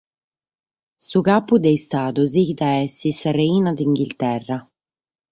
Su capu de istadu sighit a èssere sa reina de Inghilterra.